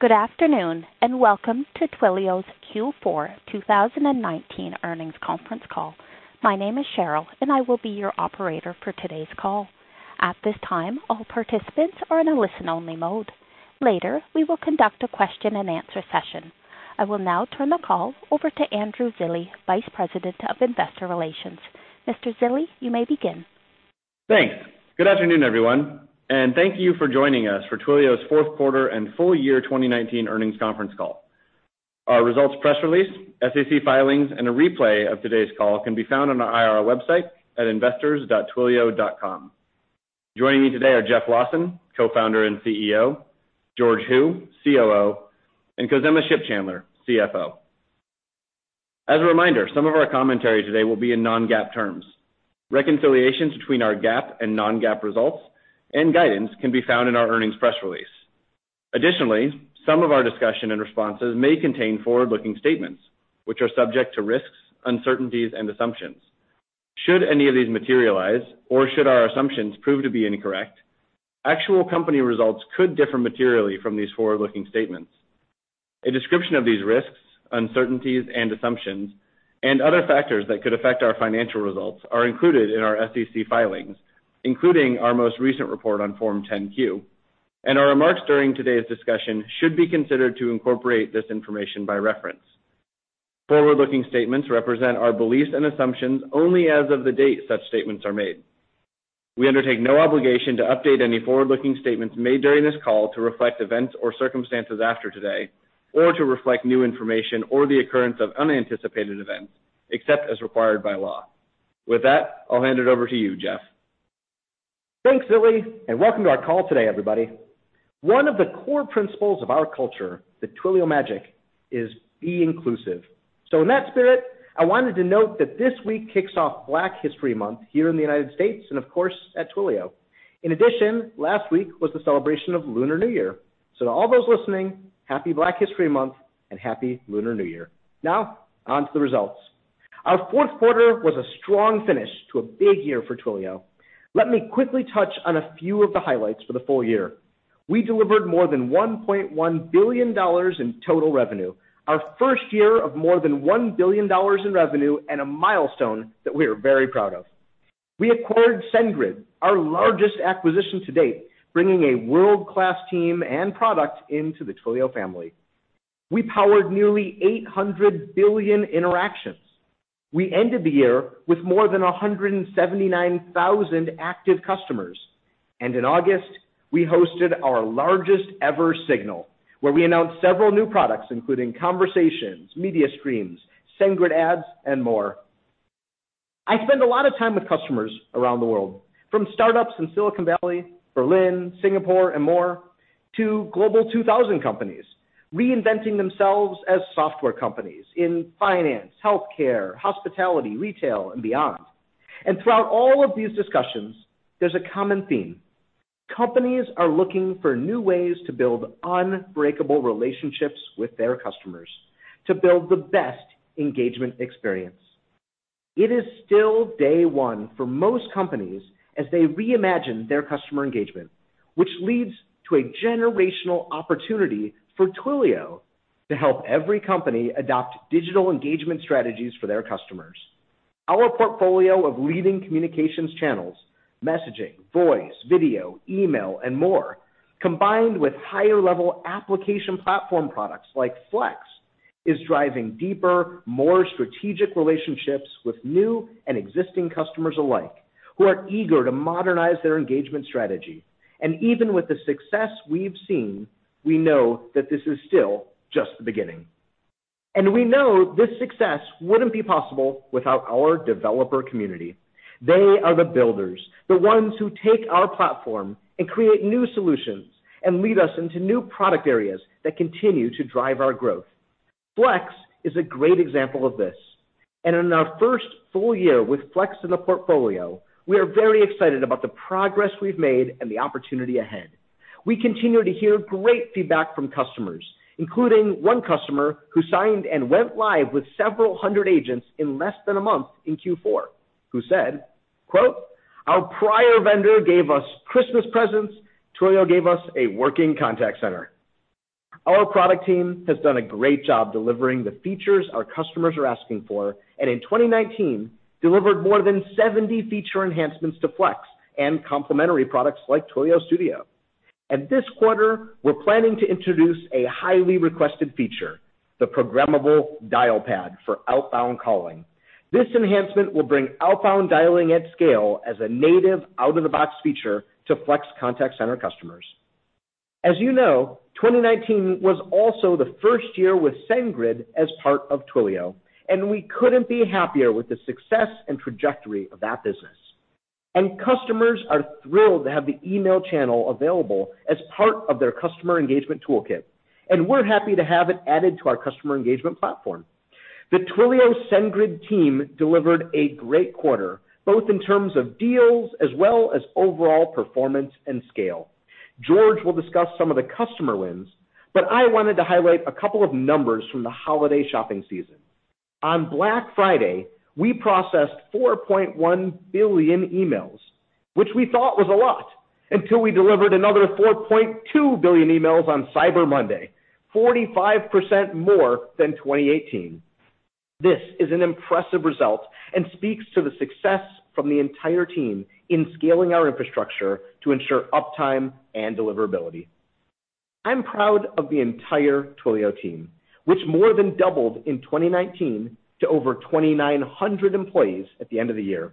Good afternoon, welcome to Twilio's Q4 2019 Earnings Conference Call. My name is Cheryl, I will be your operator for today's call. At this time, all participants are in a listen-only mode. Later, we will conduct a question and answer session. I will now turn the call over to Andrew Zilli, Vice President of Investor Relations. Mr. Zilli, you may begin. Thanks. Good afternoon, everyone, and thank you for joining us for Twilio's fourth quarter and full year 2019 earnings conference call. Our results press release, SEC filings, and a replay of today's call can be found on our IR website at investors.twilio.com. Joining me today are Jeff Lawson, Co-founder and CEO, George Hu, COO, and Khozema Shipchandler, CFO. As a reminder, some of our commentary today will be in non-GAAP terms. Reconciliations between our GAAP and non-GAAP results and guidance can be found in our earnings press release. Some of our discussion and responses may contain forward-looking statements which are subject to risks, uncertainties, and assumptions. Should any of these materialize or should our assumptions prove to be incorrect, actual company results could differ materially from these forward-looking statements. A description of these risks, uncertainties, and assumptions and other factors that could affect our financial results are included in our SEC filings, including our most recent report on Form 10-Q, and our remarks during today's discussion should be considered to incorporate this information by reference. Forward-looking statements represent our beliefs and assumptions only as of the date such statements are made. We undertake no obligation to update any forward-looking statements made during this call to reflect events or circumstances after today or to reflect new information or the occurrence of unanticipated events, except as required by law. With that, I'll hand it over to you, Jeff. Thanks, Zilli. Welcome to our call today, everybody. One of the core principles of our culture, the Twilio Magic, is be inclusive. In that spirit, I wanted to note that this week kicks off Black History Month here in the United States and, of course, at Twilio. In addition, last week was the celebration of Lunar New Year. To all those listening, happy Black History Month and Happy Lunar New Year. Now, onto the results. Our fourth quarter was a strong finish to a big year for Twilio. Let me quickly touch on a few of the highlights for the full year. We delivered more than $1.1 billion in total revenue, our first year of more than $1 billion in revenue and a milestone that we are very proud of. We acquired SendGrid, our largest acquisition to date, bringing a world-class team and product into the Twilio family. We powered nearly 800 billion interactions. We ended the year with more than 179,000 active customers. In August, we hosted our largest ever SIGNAL, where we announced several new products, including Conversations, Media Streams, Twilio SendGrid Ads, and more. I spend a lot of time with customers around the world, from startups in Silicon Valley, Berlin, Singapore, and more, to Global 2000 companies reinventing themselves as software companies in finance, healthcare, hospitality, retail, and beyond. Throughout all of these discussions, there's a common theme. Companies are looking for new ways to build unbreakable relationships with their customers to build the best engagement experience. It is still day one for most companies as they reimagine their customer engagement, which leads to a generational opportunity for Twilio to help every company adopt digital engagement strategies for their customers. Our portfolio of leading communications channels, messaging, voice, video, email, and more, combined with higher-level application platform products like Flex, is driving deeper, more strategic relationships with new and existing customers alike who are eager to modernize their engagement strategy. Even with the success we've seen, we know that this is still just the beginning. We know this success wouldn't be possible without our developer community. They are the builders, the ones who take our platform and create new solutions and lead us into new product areas that continue to drive our growth. Flex is a great example of this, and in our first full year with Flex in the portfolio, we are very excited about the progress we've made and the opportunity ahead. We continue to hear great feedback from customers, including one customer who signed and went live with several hundred agents in less than a month in Q4, who said, quote, "Our prior vendor gave us Christmas presents. Twilio gave us a working contact center." Our product team has done a great job delivering the features our customers are asking for, and in 2019, delivered more than 70 feature enhancements to Flex and complementary products like Twilio Studio. This quarter, we're planning to introduce a highly requested feature, the programmable dial pad for outbound calling. This enhancement will bring outbound dialing at scale as a native out-of-the-box feature to Flex contact center customers. As you know, 2019 was also the first year with SendGrid as part of Twilio. We couldn't be happier with the success and trajectory of that business. Customers are thrilled to have the email channel available as part of their customer engagement toolkit, and we're happy to have it added to our customer engagement platform. The Twilio SendGrid team delivered a great quarter, both in terms of deals as well as overall performance and scale. George will discuss some of the customer wins. I wanted to highlight a couple of numbers from the holiday shopping season. On Black Friday, we processed 4.1 billion emails, which we thought was a lot until we delivered another 4.2 billion emails on Cyber Monday, 45% more than 2018. This is an impressive result and speaks to the success from the entire team in scaling our infrastructure to ensure uptime and deliverability. I'm proud of the entire Twilio team, which more than doubled in 2019 to over 2,900 employees at the end of the year.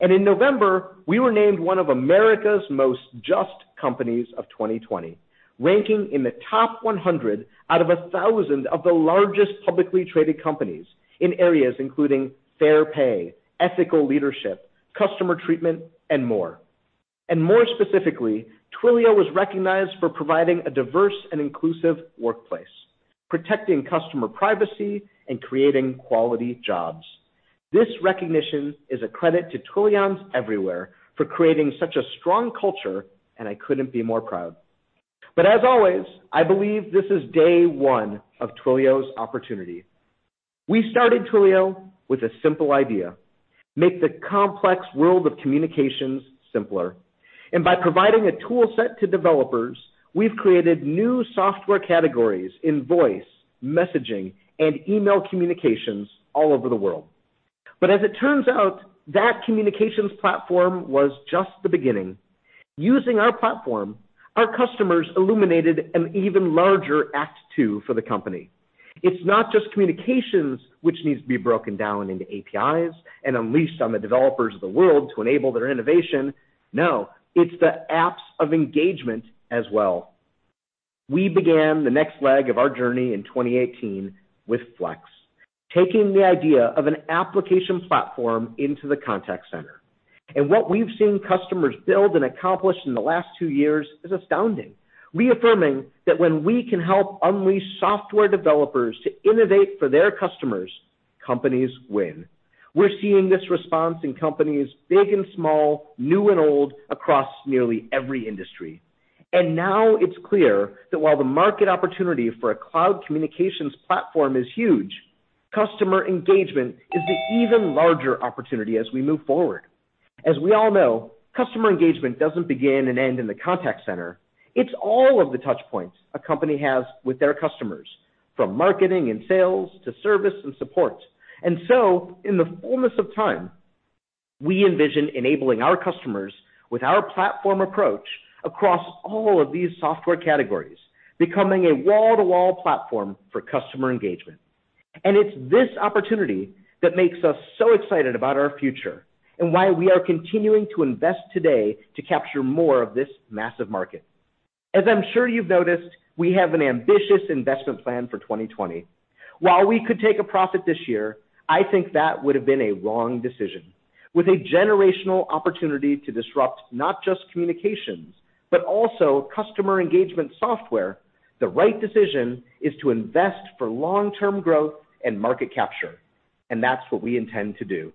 In November, we were named one of America's most just companies of 2020, ranking in the top 100 out of 1,000 of the largest publicly traded companies in areas including fair pay, ethical leadership, customer treatment, and more. More specifically, Twilio was recognized for providing a diverse and inclusive workplace, protecting customer privacy, and creating quality jobs. This recognition is a credit to Twilions everywhere for creating such a strong culture, and I couldn't be more proud. As always, I believe this is day one of Twilio's opportunity. We started Twilio with a simple idea, make the complex world of communications simpler. By providing a toolset to developers, we've created new software categories in voice, messaging, and email communications all over the world. As it turns out, that communications platform was just the beginning. Using our platform, our customers illuminated an even larger act two for the company. It's not just communications which needs to be broken down into APIs and unleashed on the developers of the world to enable their innovation. No, it's the apps of engagement as well. We began the next leg of our journey in 2018 with Flex, taking the idea of an application platform into the contact center. What we've seen customers build and accomplish in the last two years is astounding, reaffirming that when we can help unleash software developers to innovate for their customers, companies win. We're seeing this response in companies big and small, new and old, across nearly every industry. Now it's clear that while the market opportunity for a cloud communications platform is huge, customer engagement is the even larger opportunity as we move forward. As we all know, customer engagement doesn't begin and end in the contact center. It's all of the touch points a company has with their customers, from marketing and sales to service and support. In the fullness of time, we envision enabling our customers with our platform approach across all of these software categories, becoming a wall-to-wall platform for customer engagement. It's this opportunity that makes us so excited about our future and why we are continuing to invest today to capture more of this massive market. As I'm sure you've noticed, we have an ambitious investment plan for 2020. While we could take a profit this year, I think that would have been a wrong decision. With a generational opportunity to disrupt not just communications, but also customer engagement software, the right decision is to invest for long-term growth and market capture, and that's what we intend to do.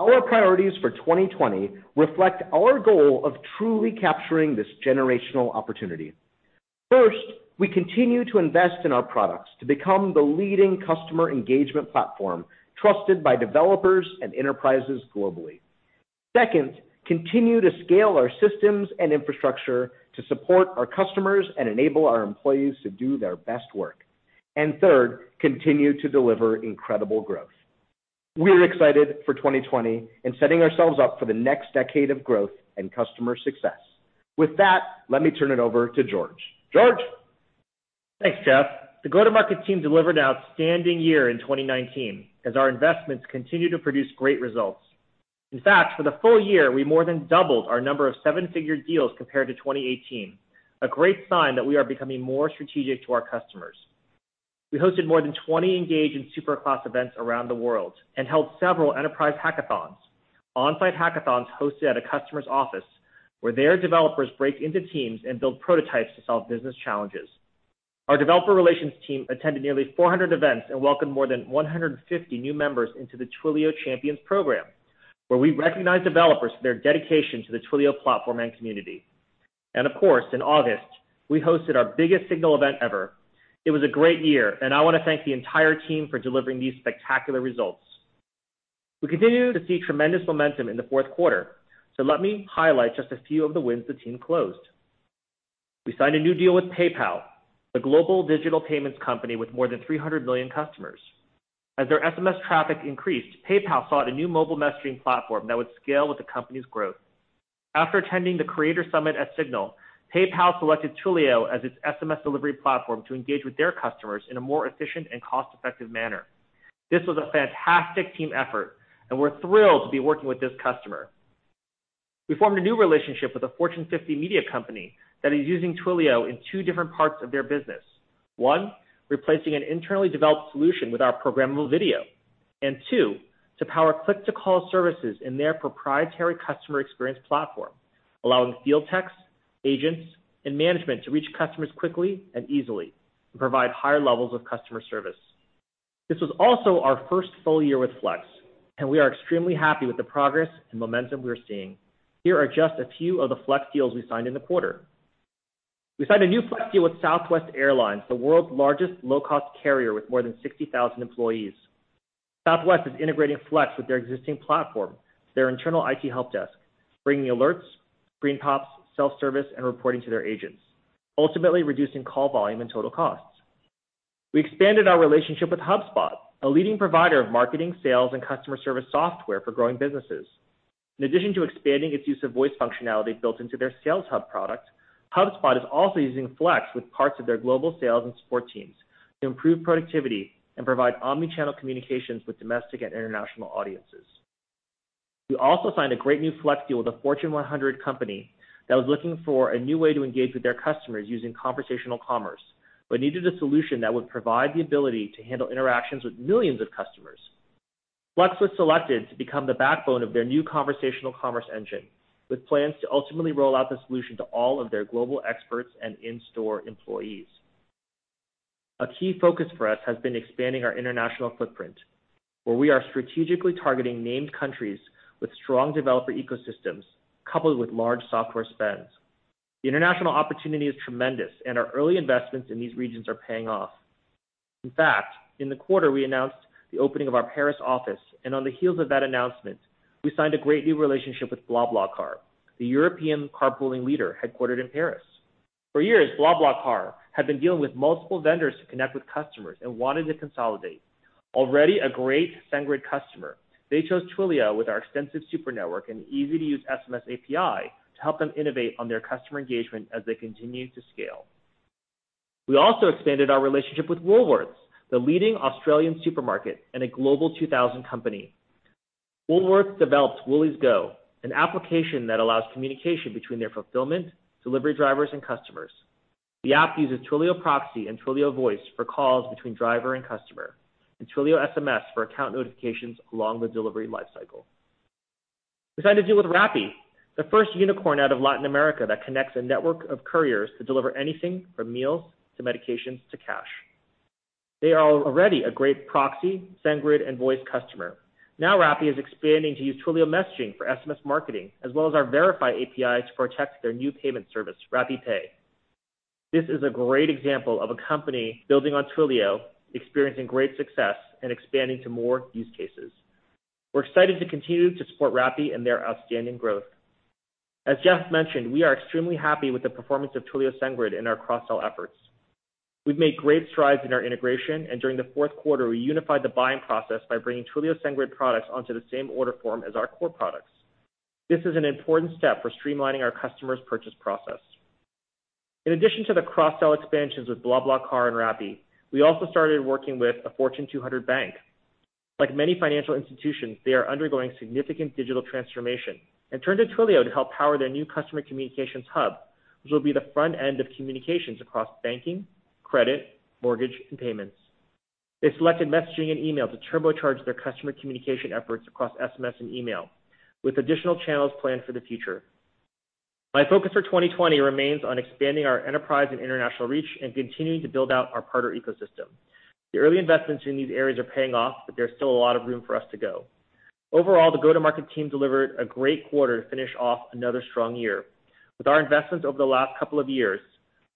Our priorities for 2020 reflect our goal of truly capturing this generational opportunity. First, we continue to invest in our products to become the leading customer engagement platform trusted by developers and enterprises globally. Second, continue to scale our systems and infrastructure to support our customers and enable our employees to do their best work. Third, continue to deliver incredible growth. We're excited for 2020 and setting ourselves up for the next decade of growth and customer success. With that, let me turn it over to George. George? Thanks, Jeff. The go-to-market team delivered an outstanding year in 2019 as our investments continue to produce great results. In fact, for the full year, we more than doubled our number of seven-figure deals compared to 2018, a great sign that we are becoming more strategic to our customers. We hosted more than 20 Engage and Superclass events around the world and held several enterprise hackathons, on-site hackathons hosted at a customer's office, where their developers break into teams and build prototypes to solve business challenges. Our developer relations team attended nearly 400 events and welcomed more than 150 new members into the Twilio Champions program, where we recognize developers for their dedication to the Twilio platform and community. Of course, in August, we hosted our biggest SIGNAL event ever. It was a great year, and I want to thank the entire team for delivering these spectacular results. We continue to see tremendous momentum in the fourth quarter, so let me highlight just a few of the wins the team closed. We signed a new deal with PayPal, the global digital payments company with more than 300 million customers. As their SMS traffic increased, PayPal sought a new mobile messaging platform that would scale with the company's growth. After attending the Creator Summit at SIGNAL, PayPal selected Twilio as its SMS delivery platform to engage with their customers in a more efficient and cost-effective manner. This was a fantastic team effort, and we're thrilled to be working with this customer. We formed a new relationship with a Fortune 50 media company that is using Twilio in two different parts of their business. One, replacing an internally developed solution with our Programmable Video, and two, to power click-to-call services in their proprietary customer experience platform, allowing field techs, agents, and management to reach customers quickly and easily and provide higher levels of customer service. This was also our first full year with Flex, and we are extremely happy with the progress and momentum we are seeing. Here are just a few of the Flex deals we signed in the quarter. We signed a new Flex deal with Southwest Airlines, the world's largest low-cost carrier with more than 60,000 employees. Southwest is integrating Flex with their existing platform, their internal IT helpdesk, bringing alerts, screen pops, self-service, and reporting to their agents, ultimately reducing call volume and total costs. We expanded our relationship with HubSpot, a leading provider of marketing, sales, and customer service software for growing businesses. In addition to expanding its use of voice functionality built into their sales hub product, HubSpot is also using Flex with parts of their global sales and support teams to improve productivity and provide omni-channel communications with domestic and international audiences. We also signed a great new Flex deal with a Fortune 100 company that was looking for a new way to engage with their customers using conversational commerce, but needed a solution that would provide the ability to handle interactions with millions of customers. Flex was selected to become the backbone of their new conversational commerce engine, with plans to ultimately roll out the solution to all of their global experts and in-store employees. A key focus for us has been expanding our international footprint, where we are strategically targeting named countries with strong developer ecosystems, coupled with large software spends. The international opportunity is tremendous, and our early investments in these regions are paying off. In fact, in the quarter, we announced the opening of our Paris office, and on the heels of that announcement, we signed a great new relationship with BlaBlaCar, the European carpooling leader headquartered in Paris. For years, BlaBlaCar had been dealing with multiple vendors to connect with customers and wanted to consolidate. Already a great SendGrid customer, they chose Twilio with our extensive super network and easy-to-use SMS API to help them innovate on their customer engagement as they continue to scale. We also expanded our relationship with Woolworths, the leading Australian supermarket and a Global 2000 company. Woolworths developed WooliesGO, an application that allows communication between their fulfillment, delivery drivers, and customers. The app uses Twilio Proxy and Twilio Voice for calls between driver and customer, and Twilio SMS for account notifications along the delivery life cycle. We signed a deal with Rappi, the first unicorn out of Latin America that connects a network of couriers to deliver anything from meals to medications to cash. They are already a great Proxy, SendGrid, and Voice customer. Now Rappi is expanding to use Twilio messaging for SMS marketing, as well as our Verify API to protect their new payment service, RappiPay. This is a great example of a company building on Twilio, experiencing great success, and expanding to more use cases. We're excited to continue to support Rappi and their outstanding growth. As Jeff mentioned, we are extremely happy with the performance of Twilio SendGrid in our cross-sell efforts. We've made great strides in our integration, and during the fourth quarter, we unified the buying process by bringing Twilio SendGrid products onto the same order form as our core products. This is an important step for streamlining our customers' purchase process. In addition to the cross-sell expansions with BlaBlaCar and Rappi, we also started working with a Fortune 200 bank. Like many financial institutions, they are undergoing significant digital transformation and turned to Twilio to help power their new customer communications hub, which will be the front end of communications across banking, credit, mortgage, and payments. They selected messaging and email to turbocharge their customer communication efforts across SMS and email, with additional channels planned for the future. My focus for 2020 remains on expanding our enterprise and international reach and continuing to build out our partner ecosystem. The early investments in these areas are paying off, but there's still a lot of room for us to go. Overall, the go-to-market team delivered a great quarter to finish off another strong year. With our investments over the last couple of years,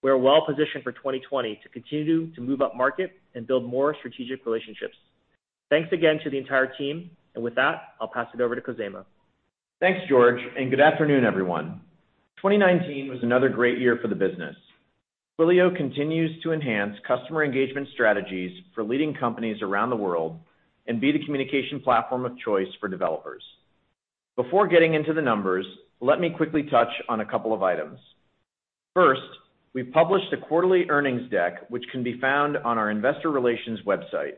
we're well positioned for 2020 to continue to move upmarket and build more strategic relationships. Thanks again to the entire team, and with that, I'll pass it over to Khozema. Thanks, George, and good afternoon, everyone. 2019 was another great year for the business. Twilio continues to enhance customer engagement strategies for leading companies around the world and be the communication platform of choice for developers. Before getting into the numbers, let me quickly touch on a couple of items. First, we published a quarterly earnings deck, which can be found on our investor relations website.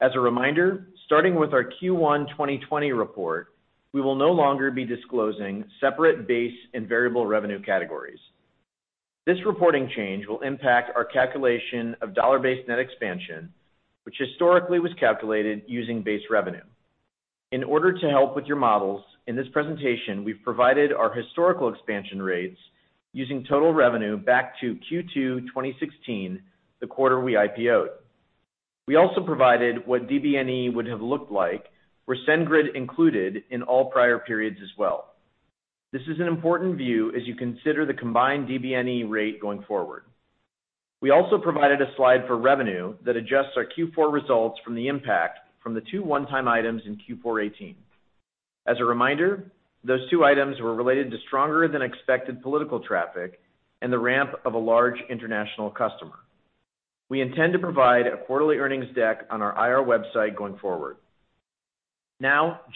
As a reminder, starting with our Q1 2020 report, we will no longer be disclosing separate base and variable revenue categories. This reporting change will impact our calculation of Dollar-Based Net Expansion, which historically was calculated using base revenue. In order to help with your models, in this presentation, we've provided our historical expansion rates using total revenue back to Q2 2016, the quarter we IPO'd. We also provided what DBNE would have looked like were SendGrid included in all prior periods as well. This is an important view as you consider the combined DBNE rate going forward. We also provided a slide for revenue that adjusts our Q4 results from the impact from the two one-time items in Q4 2018. As a reminder, those two items were related to stronger than expected political traffic and the ramp of a large international customer. We intend to provide a quarterly earnings deck on our IR website going forward.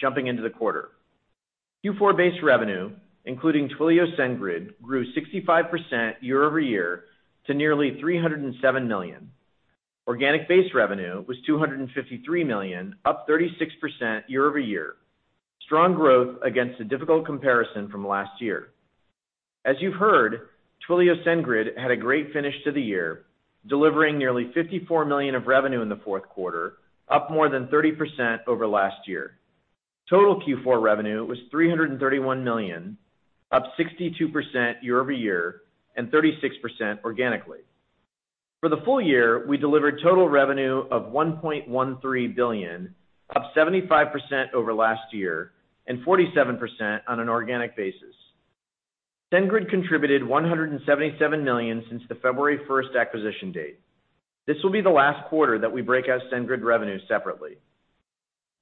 Jumping into the quarter. Q4 base revenue, including Twilio SendGrid, grew 65% year-over-year to nearly $307 million. Organic base revenue was $253 million, up 36% year-over-year. Strong growth against a difficult comparison from last year. As you've heard, Twilio SendGrid had a great finish to the year, delivering nearly $54 million of revenue in the fourth quarter, up more than 30% over last year. Total Q4 revenue was $331 million, up 62% year-over-year and 36% organically. For the full year, we delivered total revenue of $1.13 billion, up 75% over last year, and 47% on an organic basis. SendGrid contributed $177 million since the February 1st acquisition date. This will be the last quarter that we break out SendGrid revenue separately.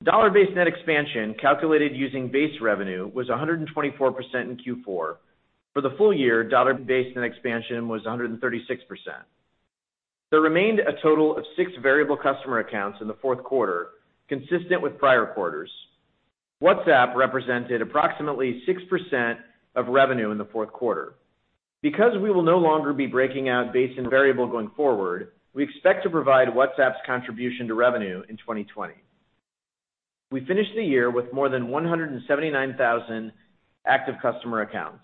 Dollar-Based Net Expansion, calculated using base revenue, was 124% in Q4. For the full year, Dollar-Based Net Expansion was 136%. There remained a total of six variable customer accounts in the fourth quarter, consistent with prior quarters. WhatsApp represented approximately 6% of revenue in the fourth quarter. Because we will no longer be breaking out base and variable going forward, we expect to provide WhatsApp's contribution to revenue in 2020. We finished the year with more than 179,000 active customer accounts.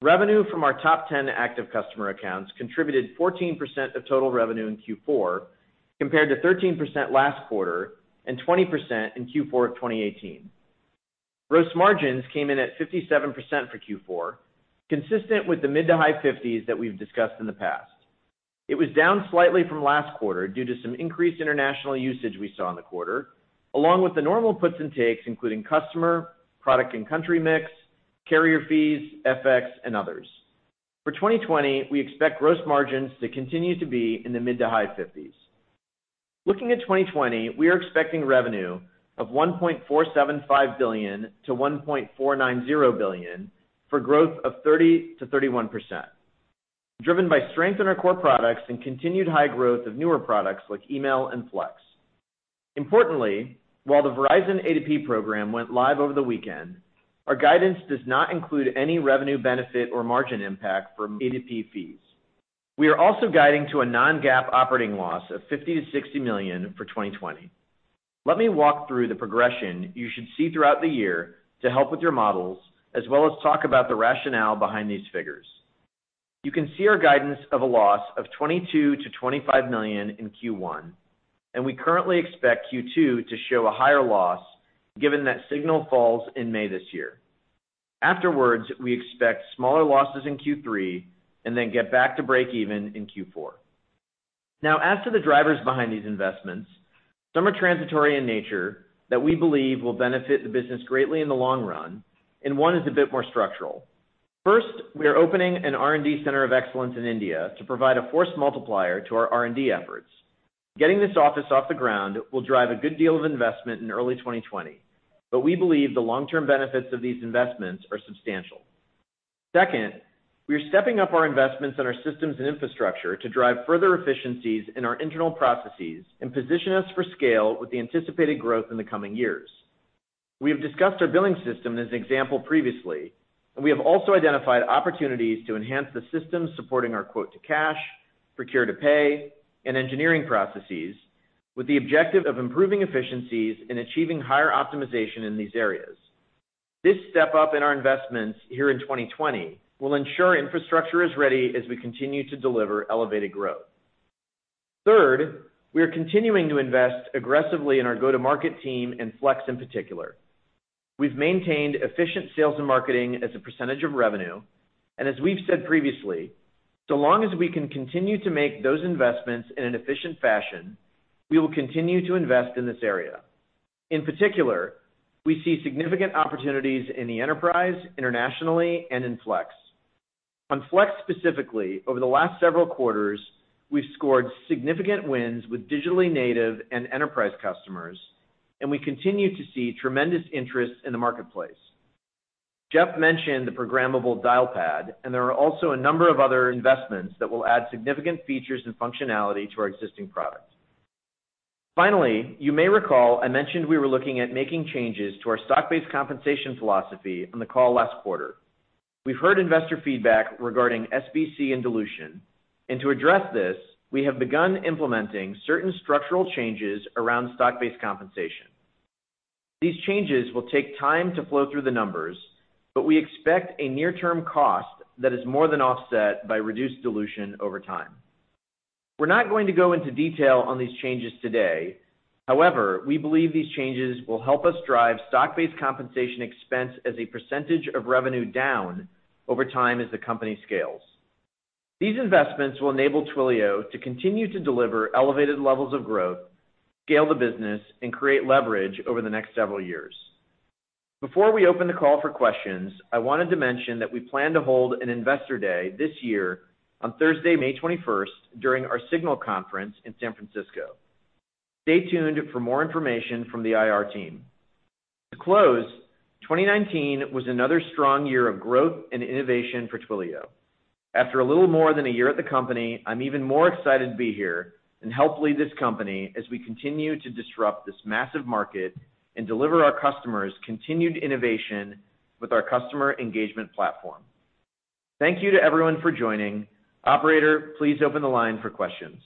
Revenue from our top 10 active customer accounts contributed 14% of total revenue in Q4, compared to 13% last quarter and 20% in Q4 of 2018. Gross margins came in at 57% for Q4, consistent with the mid to high 50%s that we've discussed in the past. It was down slightly from last quarter due to some increased international usage we saw in the quarter, along with the normal puts and takes, including customer, product, and country mix, carrier fees, FX, and others. For 2020, we expect gross margins to continue to be in the mid to high 50%s. Looking at 2020, we are expecting revenue of $1.475 billion-$1.490 billion, for growth of 30%-31%, driven by strength in our core products and continued high growth of newer products like Email and Flex. Importantly, while the Verizon A2P program went live over the weekend, our guidance does not include any revenue benefit or margin impact from A2P fees. We are also guiding to a non-GAAP operating loss of $50 million-$60 million for 2020. Let me walk through the progression you should see throughout the year to help with your models, as well as talk about the rationale behind these figures. You can see our guidance of a loss of $22 million-$25 million in Q1, and we currently expect Q2 to show a higher loss, given that SIGNAL falls in May this year. Afterwards, we expect smaller losses in Q3, and then get back to break even in Q4. As to the drivers behind these investments, some are transitory in nature that we believe will benefit the business greatly in the long run, and one is a bit more structural. First, we are opening an R&D center of excellence in India to provide a force multiplier to our R&D efforts. Getting this office off the ground will drive a good deal of investment in early 2020, but we believe the long-term benefits of these investments are substantial. Second, we are stepping up our investments in our systems and infrastructure to drive further efficiencies in our internal processes and position us for scale with the anticipated growth in the coming years. We have discussed our billing system as an example previously, and we have also identified opportunities to enhance the systems supporting our quote to cash, procure to pay, and engineering processes with the objective of improving efficiencies and achieving higher optimization in these areas. This step-up in our investments here in 2020 will ensure infrastructure is ready as we continue to deliver elevated growth. Third, we are continuing to invest aggressively in our go-to-market team and Flex in particular. We've maintained efficient sales and marketing as a percentage of revenue, and as we've said previously, so long as we can continue to make those investments in an efficient fashion, we will continue to invest in this area. In particular, we see significant opportunities in the enterprise, internationally, and in Flex. On Flex specifically, over the last several quarters, we've scored significant wins with digitally native and enterprise customers, and we continue to see tremendous interest in the marketplace. Jeff mentioned the Programmable Dialpad, and there are also a number of other investments that will add significant features and functionality to our existing products. Finally, you may recall I mentioned we were looking at making changes to our stock-based compensation philosophy on the call last quarter. We've heard investor feedback regarding SBC and dilution, and to address this, we have begun implementing certain structural changes around stock-based compensation. These changes will take time to flow through the numbers, but we expect a near-term cost that is more than offset by reduced dilution over time. We're not going to go into detail on these changes today. However, we believe these changes will help us drive stock-based compensation expense as a percentage of revenue down over time as the company scales. These investments will enable Twilio to continue to deliver elevated levels of growth, scale the business, and create leverage over the next several years. Before we open the call for questions, I wanted to mention that we plan to hold an investor day this year on Thursday, May 21st during our SIGNAL conference in San Francisco. Stay tuned for more information from the IR team. To close, 2019 was another strong year of growth and innovation for Twilio. After a little more than a year at the company, I'm even more excited to be here and help lead this company as we continue to disrupt this massive market and deliver our customers continued innovation with our customer engagement platform. Thank you to everyone for joining. Operator, please open the line for questions.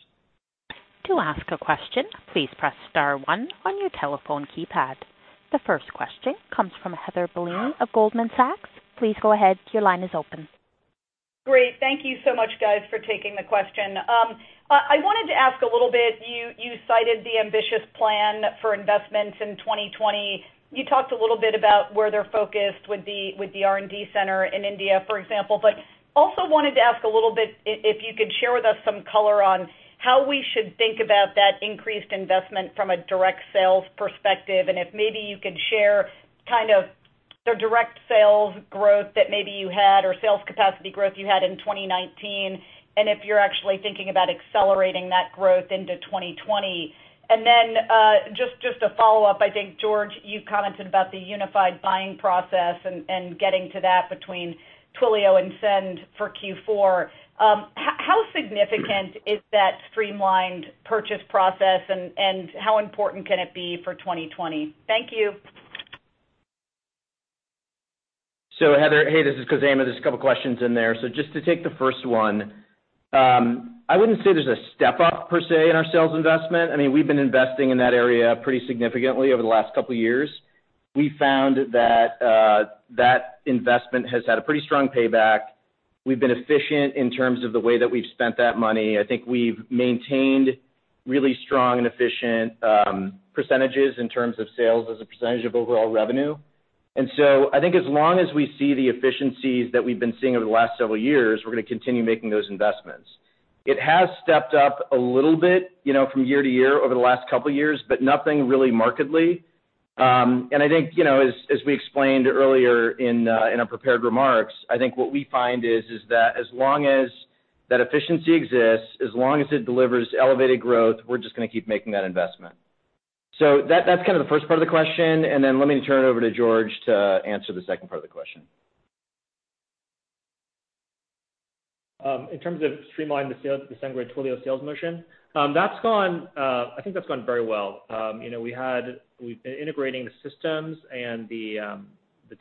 To ask a question, please press star one on your telephone keypad. The first question comes from Heather Bellini of Goldman Sachs. Please go ahead, your line is open. Great. Thank you so much, guys, for taking the question. I wanted to ask a little bit, you cited the ambitious plan for investments in 2020. You talked a little bit about where they're focused with the R&D center in India, for example, but also wanted to ask a little bit if you could share with us some color on how we should think about that increased investment from a direct sales perspective, and if maybe you could share the direct sales growth that maybe you had or sales capacity growth you had in 2019, and if you're actually thinking about accelerating that growth into 2020. Then, just a follow-up, I think, George, you commented about the unified buying process and getting to that between Twilio and Send for Q4. How significant is that streamlined purchase process and how important can it be for 2020? Thank you. Heather, hey, this is Khozema. There's a couple of questions in there. Just to take the first one. I wouldn't say there's a step up per se in our sales investment. We've been investing in that area pretty significantly over the last couple of years. We found that investment has had a pretty strong payback. We've been efficient in terms of the way that we've spent that money. I think we've maintained really strong and efficient percentages in terms of sales as a percentage of overall revenue. I think as long as we see the efficiencies that we've been seeing over the last several years, we're going to continue making those investments. It has stepped up a little bit from year to year over the last couple of years, but nothing really markedly. I think, as we explained earlier in our prepared remarks, I think what we find is that as long as that efficiency exists, as long as it delivers elevated growth, we're just going to keep making that investment. That's the first part of the question, let me turn it over to George to answer the second part of the question. In terms of streamlining the Twilio SendGrid sales motion, I think that's gone very well. We've been integrating the systems and the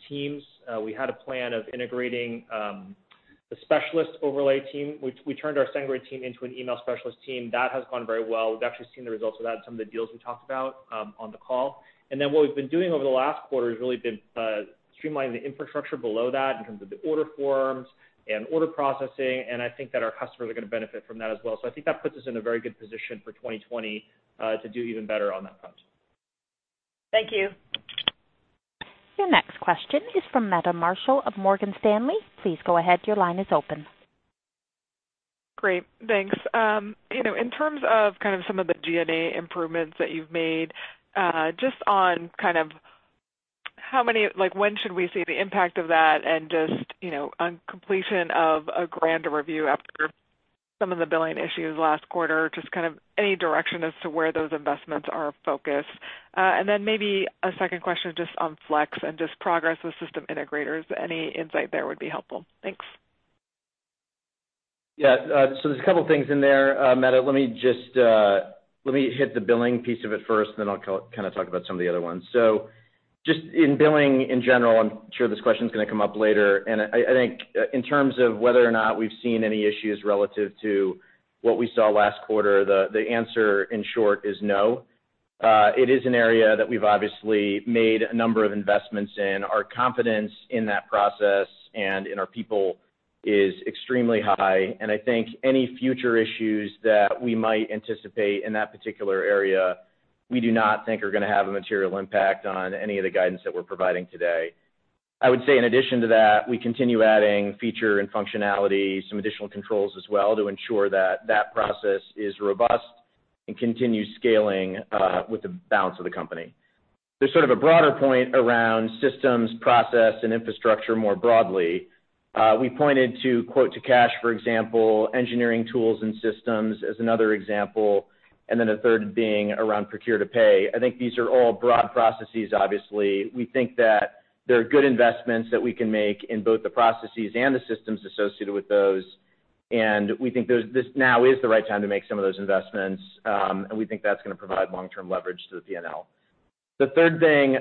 teams. We had a plan of integrating the specialist overlay team. We turned our SendGrid team into an email specialist team. That has gone very well. We've actually seen the results of that, some of the deals we talked about on the call. What we've been doing over the last quarter has really been streamlining the infrastructure below that in terms of the order forms and order processing, and I think that our customers are going to benefit from that as well. I think that puts us in a very good position for 2020 to do even better on that front. Thank you. Your next question is from Meta Marshall of Morgan Stanley. Please go ahead. Your line is open. Great. Thanks. In terms of some of the G&A improvements that you've made, just on when should we see the impact of that and just on completion of a grand review after some of the billing issues last quarter, just any direction as to where those investments are focused. Maybe a second question just on Flex and just progress with system integrators. Any insight there would be helpful. Thanks. Yeah. There's a couple of things in there, Meta. Let me hit the billing piece of it first, then I'll talk about some of the other ones. Just in billing in general, I'm sure this question is going to come up later, and I think in terms of whether or not we've seen any issues relative to what we saw last quarter, the answer, in short, is no. It is an area that we've obviously made a number of investments in. Our confidence in that process and in our people is extremely high, and I think any future issues that we might anticipate in that particular area, we do not think are going to have a material impact on any of the guidance that we're providing today. I would say in addition to that, we continue adding feature and functionality, some additional controls as well, to ensure that that process is robust and continues scaling with the balance of the company. There's sort of a broader point around systems, process, and infrastructure more broadly. We pointed to quote to cash, for example, engineering tools and systems as another example, and then a third being around procure to pay. I think these are all broad processes, obviously. We think that there are good investments that we can make in both the processes and the systems associated with those, and we think this now is the right time to make some of those investments. We think that's going to provide long-term leverage to the P&L. The third thing,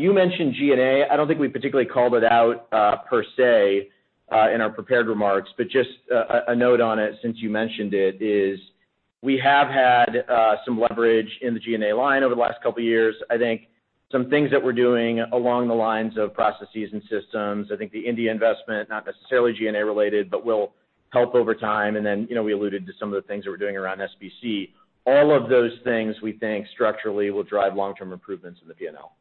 you mentioned G&A. I don't think we particularly called it out per se in our prepared remarks, but just a note on it since you mentioned it, is we have had some leverage in the G&A line over the last couple of years. I think some things that we're doing along the lines of processes and systems, I think the India investment, not necessarily G&A related, but will help over time. We alluded to some of the things that we're doing around SBC. All of those things we think structurally will drive long-term improvements in the P&L.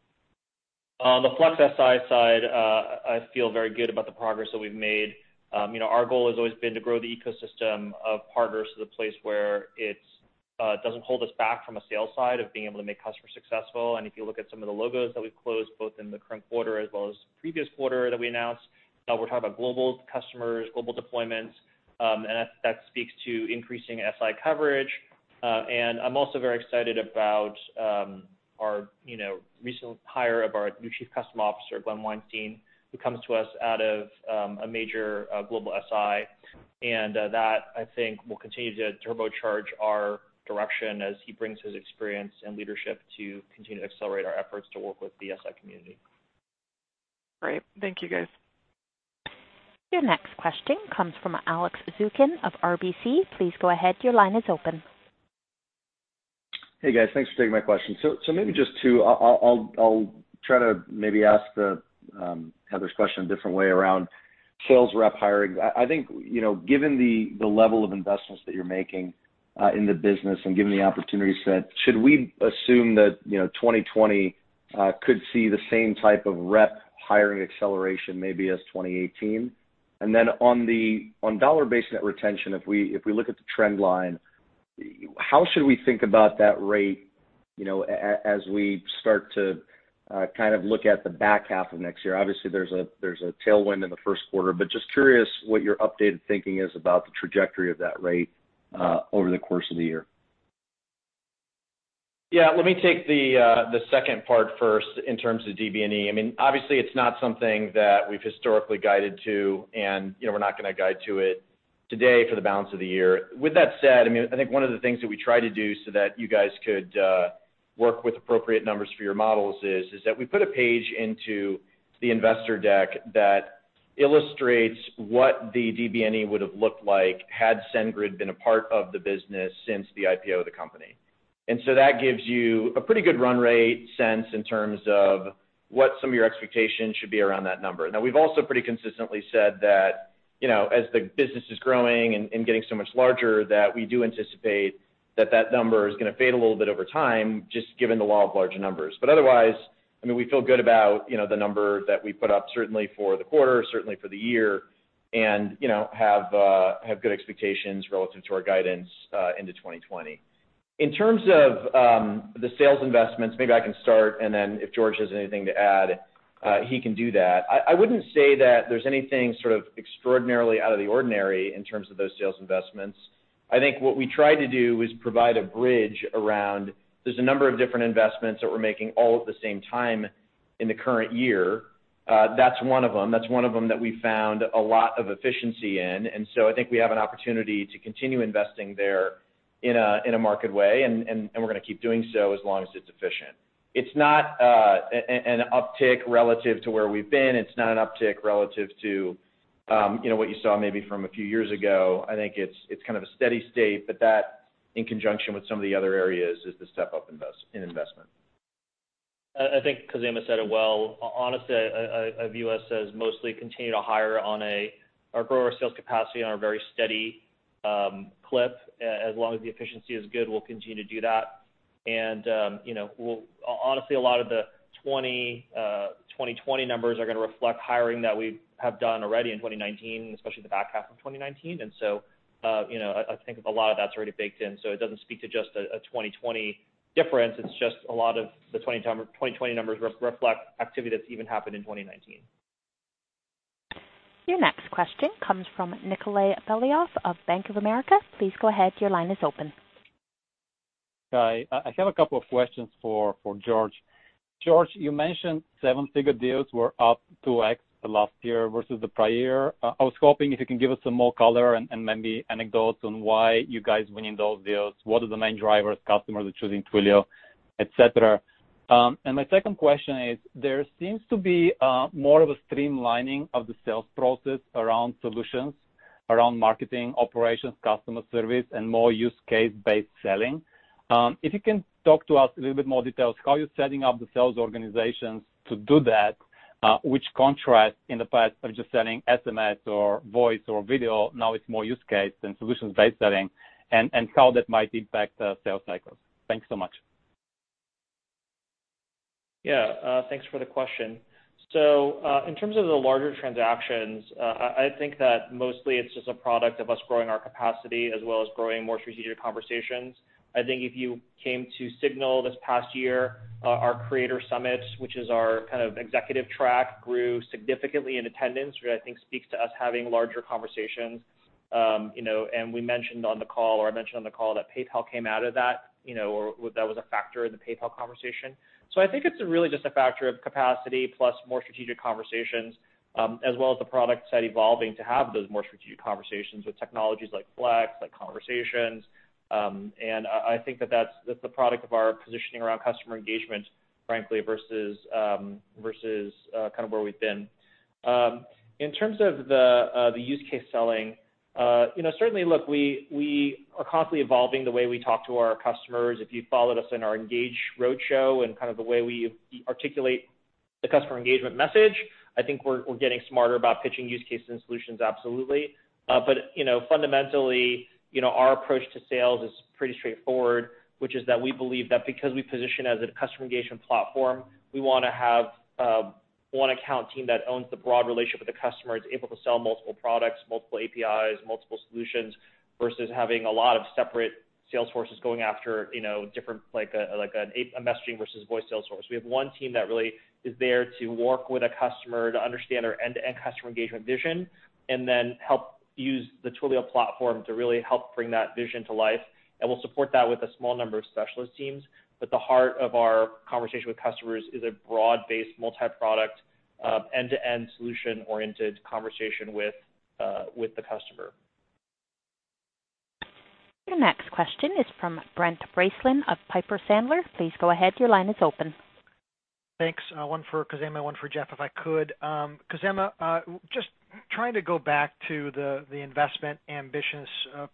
On the Flex SI side, I feel very good about the progress that we've made. Our goal has always been to grow the ecosystem of partners to the place where it doesn't hold us back from a sales side of being able to make customers successful. If you look at some of the logos that we've closed, both in the current quarter as well as the previous quarter that we announced, we're talking about global customers, global deployments, and that speaks to increasing SI coverage. I'm also very excited about our recent hire of our new Chief Customer Officer, Glenn Weinstein, who comes to us out of a major global SI. That, I think, will continue to turbocharge our direction as he brings his experience and leadership to continue to accelerate our efforts to work with the SI community. Great. Thank you guys. Your next question comes from Alex Zukin of RBC Capital Markets. Please go ahead. Your line is open. Hey, guys. Thanks for taking my question. Maybe just two. I'll try to maybe ask the Heather's question a different way around sales rep hiring. I think, given the level of investments that you're making, in the business and given the opportunities said, should we assume that 2020 could see the same type of rep hiring acceleration maybe as 2018? On Dollar-Based Net Expansion Rate, if we look at the trend line, how should we think about that rate, as we start to kind of look at the back half of next year? Obviously, there's a tailwind in the first quarter, just curious what your updated thinking is about the trajectory of that rate, over the course of the year. Yeah. Let me take the second part first in terms of DBNE. Obviously, it's not something that we've historically guided to, and we're not going to guide to it today for the balance of the year. With that said, I think one of the things that we try to do so that you guys could work with appropriate numbers for your models is that we put a page into the investor deck that illustrates what the DBNE would have looked like had SendGrid been a part of the business since the IPO of the company. That gives you a pretty good run rate sense in terms of what some of your expectations should be around that number. We've also pretty consistently said that, as the business is growing and getting so much larger, that we do anticipate that number is going to fade a little bit over time, just given the law of large numbers. Otherwise, we feel good about the number that we put up, certainly for the quarter, certainly for the year, and have good expectations relative to our guidance into 2020. In terms of the sales investments, maybe I can start, and then if George has anything to add, he can do that. I wouldn't say that there's anything sort of extraordinarily out of the ordinary in terms of those sales investments. I think what we try to do is provide a bridge around, there's a number of different investments that we're making all at the same time in the current year. That's one of them. That's one of them that we found a lot of efficiency in, and so I think we have an opportunity to continue investing there in a marked way, and we're going to keep doing so as long as it's efficient. It's not an uptick relative to where we've been. It's not an uptick relative to what you saw maybe from a few years ago. I think it's kind of a steady state, but that in conjunction with some of the other areas is the step-up in investment. I think Khozema said it well. Honest view is mostly continue to hire or grow our sales capacity on a very steady clip. As long as the efficiency is good, we'll continue to do that. Honestly, a lot of the 2020 numbers are going to reflect hiring that we have done already in 2019, especially the back half of 2019. I think a lot of that's already baked in, so it doesn't speak to just a 2020 difference. It's just a lot of the 2020 numbers reflect activity that's even happened in 2019. Your next question comes from Nikolay Beliov of Bank of America. Please go ahead, your line is open. Hi. I have a couple of questions for George. George, you mentioned seven-figure deals were up 2x last year versus the prior year. I was hoping if you can give us some more color and maybe anecdotes on why you guys are winning those deals, what are the main drivers customers are choosing Twilio, et cetera. My second question is, there seems to be more of a streamlining of the sales process around solutions, around marketing operations, customer service, and more use case-based selling. If you can talk to us a little bit more details, how you're setting up the sales organizations to do that, which contrasts in the past of just selling SMS or Voice or Video, now it's more use case and solutions-based selling and how that might impact the sales cycles. Thanks so much. Yeah. Thanks for the question. In terms of the larger transactions, I think that mostly it's just a product of us growing our capacity as well as growing more strategic conversations. I think if you came to SIGNAL this past year, our Creator Summit, which is our kind of executive track, grew significantly in attendance, which I think speaks to us having larger conversations. We mentioned on the call, or I mentioned on the call that PayPal came out of that, or that was a factor in the PayPal conversation. I think it's really just a factor of capacity plus more strategic conversations, as well as the product set evolving to have those more strategic conversations with technologies like Flex, like Conversations. I think that that's the product of our positioning around customer engagement, frankly, versus kind of where we've been. In terms of the use case selling, certainly, look, we are constantly evolving the way we talk to our customers. If you followed us in our Engage Roadshow and kind of the way we articulate the customer engagement message, I think we're getting smarter about pitching use cases and solutions absolutely. Fundamentally, our approach to sales is pretty straightforward, which is that we believe that because we position as a customer engagement platform, we want to have one account team that owns the broad relationship with the customer, is able to sell multiple products, multiple APIs, multiple solutions, versus having a lot of separate sales forces going after different, like a messaging versus voice sales force. We have one team that really is there to work with a customer to understand our end-to-end customer engagement vision and then help use the Twilio platform to really help bring that vision to life. We'll support that with a small number of specialist teams, but the heart of our conversation with customers is a broad-based, multi-product, end-to-end solution-oriented conversation with the customer. Your next question is from Brent Bracelin of Piper Sandler. Please go ahead. Your line is open. Thanks. One for Khozema, one for Jeff, if I could. Khozema, just trying to go back to the investment ambitions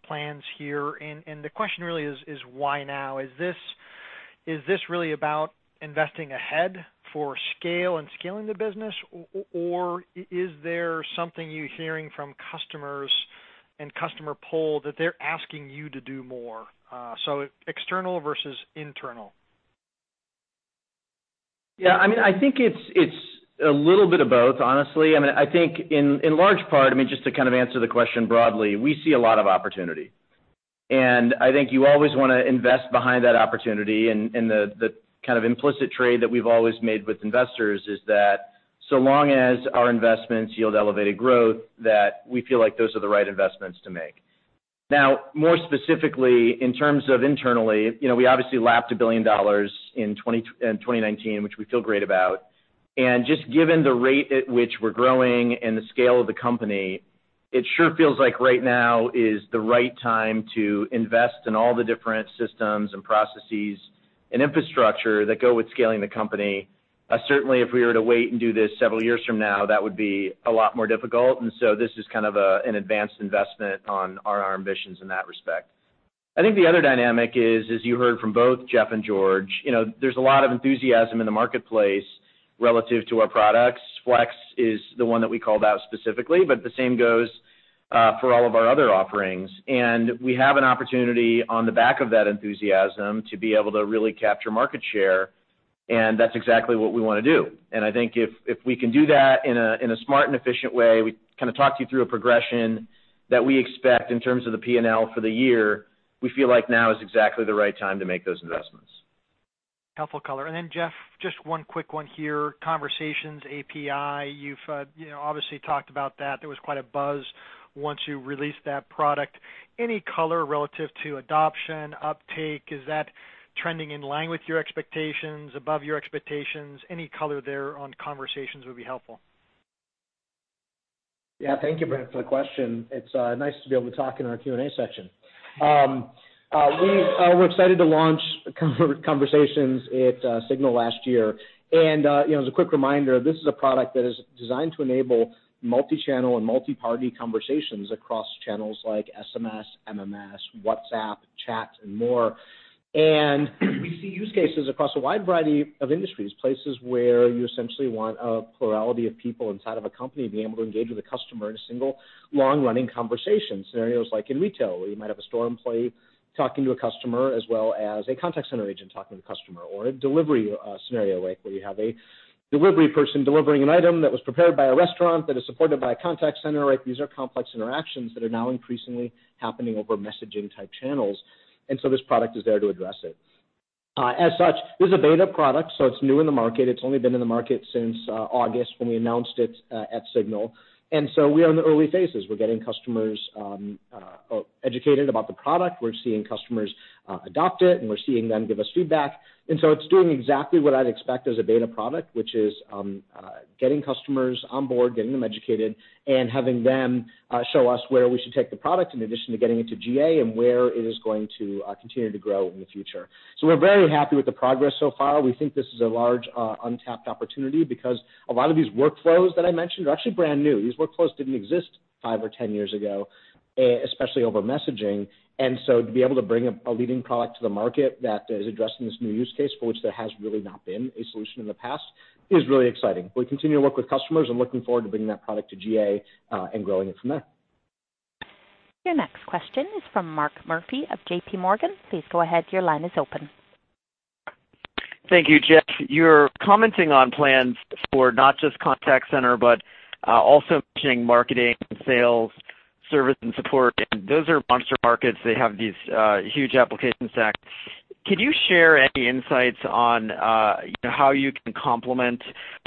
plans here. The question really is why now? Is this really about investing ahead for scale and scaling the business, or is there something you're hearing from customers and customer pull that they're asking you to do more? External versus internal. Yeah, I think it's a little bit of both, honestly. I think in large part, just to kind of answer the question broadly, we see a lot of opportunity. I think you always want to invest behind that opportunity, and the kind of implicit trade that we've always made with investors is that so long as our investments yield elevated growth, that we feel like those are the right investments to make. Now, more specifically, in terms of internally, we obviously lapped $1 billion in 2019, which we feel great about. Just given the rate at which we're growing and the scale of the company, it sure feels like right now is the right time to invest in all the different systems and processes and infrastructure that go with scaling the company. Certainly, if we were to wait and do this several years from now, that would be a lot more difficult. This is kind of an advanced investment on our ambitions in that respect. I think the other dynamic is, as you heard from both Jeff and George, there's a lot of enthusiasm in the marketplace relative to our products. Flex is the one that we called out specifically, but the same goes for all of our other offerings. We have an opportunity on the back of that enthusiasm to be able to really capture market share, and that's exactly what we want to do. I think if we can do that in a smart and efficient way, we kind of talked you through a progression that we expect in terms of the P&L for the year, we feel like now is exactly the right time to make those investments. Helpful color. Jeff, just one quick one here. Conversations API, you've obviously talked about that. There was quite a buzz once you released that product. Any color relative to adoption, uptake? Is that trending in line with your expectations, above your expectations? Any color there on Conversations would be helpful. Yeah. Thank you, Brent, for the question. It's nice to be able to talk in our Q&A section. We're excited to launch Conversations at SIGNAL last year. As a quick reminder, this is a product that is designed to enable multi-channel and multi-party conversations across channels like SMS, MMS, WhatsApp, chat, and more. We see use cases across a wide variety of industries, places where you essentially want a plurality of people inside of a company to be able to engage with a customer in a single long-running conversation. Scenarios like in retail, where you might have a store employee talking to a customer, as well as a contact center agent talking to a customer, or a delivery scenario, where you have a delivery person delivering an item that was prepared by a restaurant that is supported by a contact center. These are complex interactions that are now increasingly happening over messaging-type channels. This product is there to address it. As such, this is a beta product, so it's new in the market. It's only been in the market since August when we announced it at SIGNAL. We are in the early phases. We're getting customers educated about the product. We're seeing customers adopt it, and we're seeing them give us feedback. It's doing exactly what I'd expect as a beta product, which is getting customers on board, getting them educated, and having them show us where we should take the product in addition to getting it to GA and where it is going to continue to grow in the future. We're very happy with the progress so far. We think this is a large, untapped opportunity because a lot of these workflows that I mentioned are actually brand new. These workflows didn't exist five or 10 years ago, especially over messaging. To be able to bring a leading product to the market that is addressing this new use case for which there has really not been a solution in the past is really exciting. We continue to work with customers and looking forward to bringing that product to GA, and growing it from there. Your next question is from Mark Murphy of JPMorgan. Please go ahead, your line is open. Thank you, Jeff. You're commenting on plans for not just contact center, but also mentioning marketing, sales, service, and support. Those are monster markets. They have these huge application stacks. Could you share any insights on how you can complement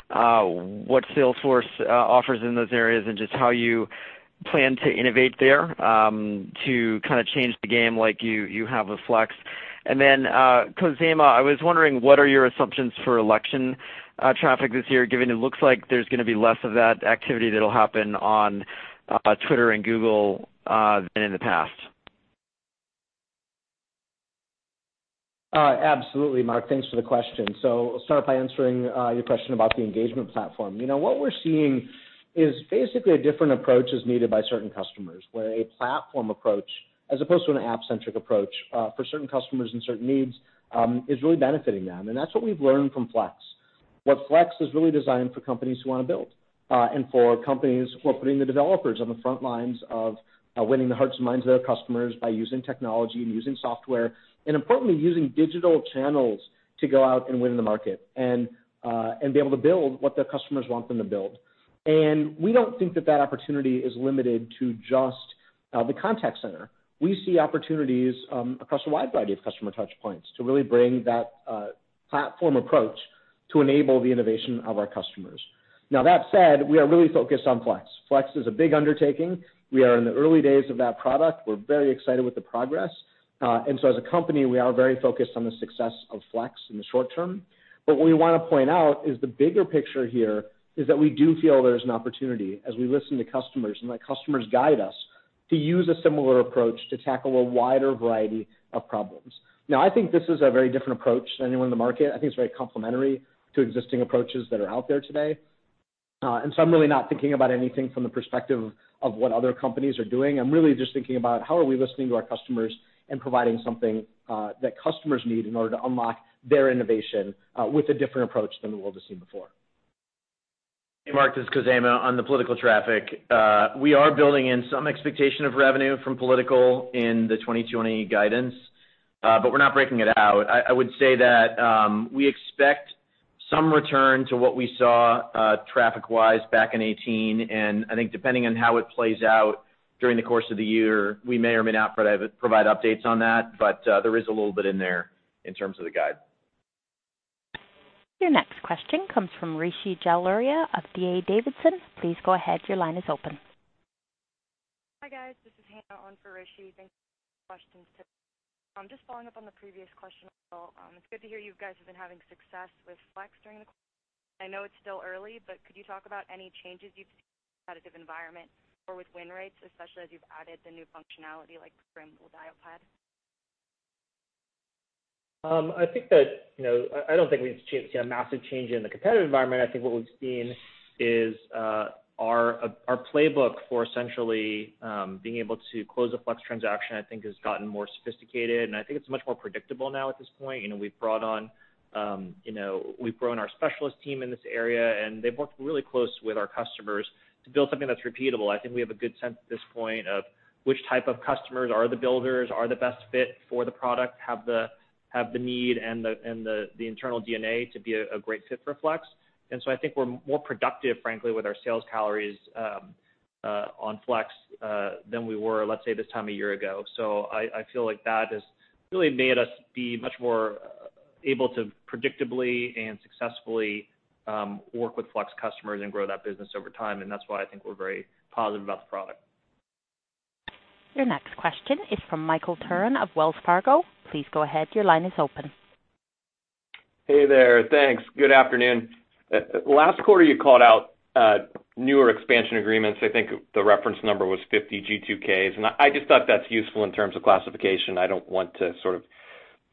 what Salesforce offers in those areas, and just how you plan to innovate there, to kind of change the game like you have with Flex? Then, Khozema, I was wondering, what are your assumptions for election traffic this year, given it looks like there's going to be less of that activity that'll happen on Twitter and Google than in the past? Absolutely, Mark. Thanks for the question. I'll start by answering your question about the engagement platform. What we're seeing is basically a different approach is needed by certain customers, where a platform approach, as opposed to an app-centric approach, for certain customers and certain needs, is really benefiting them. That's what we've learned from Flex. What Flex is really designed for companies who want to build, and for companies who are putting the developers on the front lines of winning the hearts and minds of their customers by using technology and using software, and importantly, using digital channels to go out and win the market, and be able to build what their customers want them to build. We don't think that that opportunity is limited to just the contact center. We see opportunities across a wide variety of customer touch points to really bring that platform approach to enable the innovation of our customers. Now, that said, we are really focused on Flex. Flex is a big undertaking. We are in the early days of that product. We're very excited with the progress. As a company, we are very focused on the success of Flex in the short term. What we want to point out is the bigger picture here is that we do feel there's an opportunity as we listen to customers and let customers guide us. To use a similar approach to tackle a wider variety of problems. I think this is a very different approach than anyone in the market. I think it's very complementary to existing approaches that are out there today. I'm really not thinking about anything from the perspective of what other companies are doing. I'm really just thinking about how are we listening to our customers and providing something that customers need in order to unlock their innovation, with a different approach than the world has seen before. Hey, Mark, this is Khozema on the political traffic. We are building in some expectation of revenue from political in the 2020 guidance, but we're not breaking it out. I would say that we expect some return to what we saw, traffic-wise, back in 2018, and I think depending on how it plays out during the course of the year, we may or may not provide updates on that. There is a little bit in there in terms of the guide. Your next question comes from Rishi Jaluria of D.A. Davidson. Please go ahead. Your line is open. Hi, guys. This is Hannah on for Rishi. Thanks for taking my questions today. Just following up on the previous question as well. It's good to hear you guys have been having success with Flex during the quarter. I know it's still early, but could you talk about any changes you've seen in the competitive environment or with win rates, especially as you've added the new functionality, like, for example, dialpad? I don't think we've seen a massive change in the competitive environment. I think what we've seen is our playbook for essentially being able to close a Flex transaction has gotten more sophisticated, and I think it's much more predictable now at this point. We've grown our specialist team in this area, they've worked really close with our customers to build something that's repeatable. I think we have a good sense at this point of which type of customers are the builders, are the best fit for the product, have the need and the internal DNA to be a great fit for Flex. I think we're more productive, frankly, with our sales calories on Flex, than we were, let's say, this time one year ago. I feel like that has really made us be much more able to predictably and successfully work with Flex customers and grow that business over time. That's why I think we're very positive about the product. Your next question is from Michael Turrin of Wells Fargo. Please go ahead. Your line is open. Hey there. Thanks. Good afternoon. Last quarter, you called out newer expansion agreements. I think the reference number was 50 G2Ks. I just thought that's useful in terms of classification. I don't want to sort of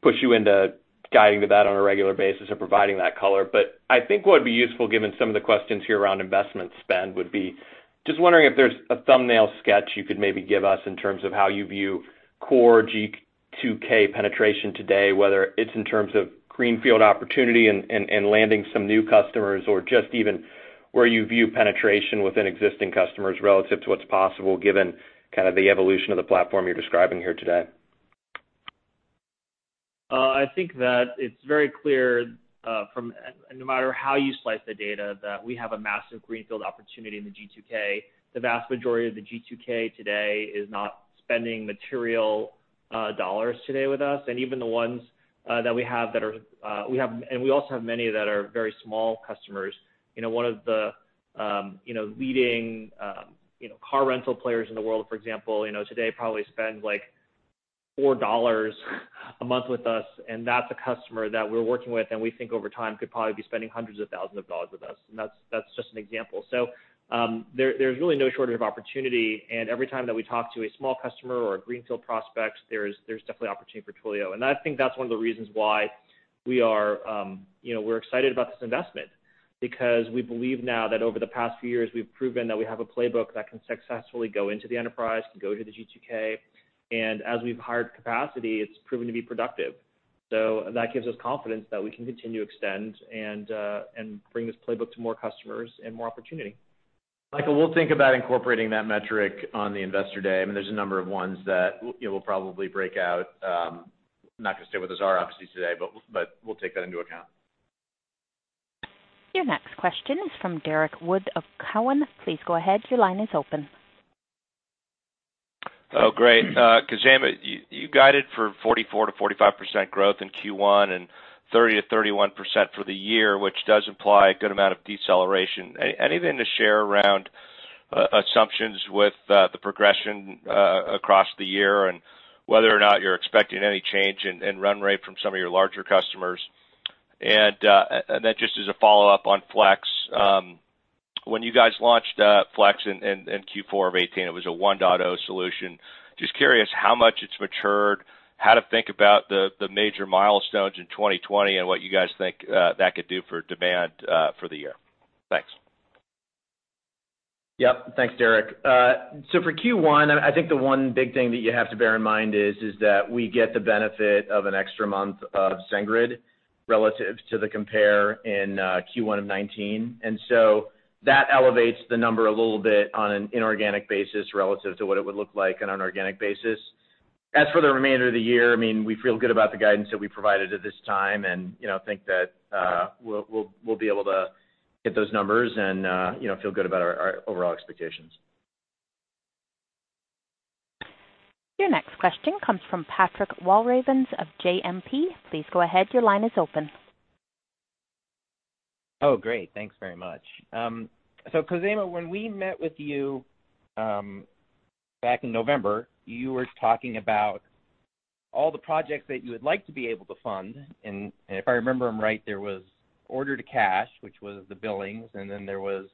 push you into guiding to that on a regular basis or providing that color. I think what would be useful, given some of the questions here around investment spend, would be just wondering if there's a thumbnail sketch you could maybe give us in terms of how you view core G2K penetration today, whether it's in terms of greenfield opportunity and landing some new customers or just even where you view penetration within existing customers relative to what's possible given kind of the evolution of the platform you're describing here today. I think that it's very clear, no matter how you slice the data, that we have a massive greenfield opportunity in the G2K. The vast majority of the G2K today is not spending material dollars today with us, and we also have many that are very small customers. One of the leading car rental players in the world, for example, today probably spends like $4 a month with us, and that's a customer that we're working with and we think over time could probably be spending hundreds of thousands of dollars with us. That's just an example. There's really no shortage of opportunity, and every time that we talk to a small customer or a greenfield prospect, there's definitely opportunity for Twilio. I think that's one of the reasons why we're excited about this investment because we believe now that over the past few years, we've proven that we have a playbook that can successfully go into the enterprise, can go to the G2K. As we've hired capacity, it's proven to be productive. That gives us confidence that we can continue to extend and bring this playbook to more customers and more opportunity. Michael, we'll think about incorporating that metric on the investor day. I mean, there's a number of ones that we'll probably break out. Not going to stay with us are obviously today, but we'll take that into account. Your next question is from Derrick Wood of Cowen. Please go ahead. Your line is open. Oh, great. Khozema, you guided for 44%-45% growth in Q1 and 30%-31% for the year, which does imply a good amount of deceleration. Anything to share around assumptions with the progression across the year and whether or not you're expecting any change in run rate from some of your larger customers? Just as a follow-up on Flex, when you guys launched Flex in Q4 of 2018, it was a 1.0 solution. Just curious how much it's matured, how to think about the major milestones in 2020, and what you guys think that could do for demand for the year. Thanks. Yep. Thanks, Derrick. For Q1, I think the one big thing that you have to bear in mind is that we get the benefit of an extra month of SendGrid relative to the compare in Q1 of 2019. That elevates the number a little bit on an inorganic basis relative to what it would look like on an organic basis. As for the remainder of the year, I mean, we feel good about the guidance that we provided at this time and think that we'll be able to hit those numbers and feel good about our overall expectations. Your next question comes from Patrick Walravens of JMP. Please go ahead. Your line is open. Oh, great. Thanks very much. Khozema, when we met with you back in November, you were talking about all the projects that you would like to be able to fund, and if I remember them right, there was order to cash, which was the billings, and then there was